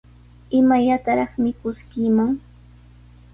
¿Imallataraq mikuskiiman?